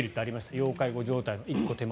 要介護状態の一歩手前。